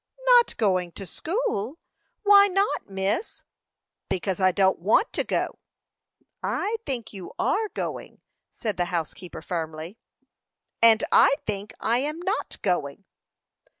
"Not going to school? Why not, miss?" "Because I don't want to go." "I think you are going," said the housekeeper, firmly. "And I think I am not going!"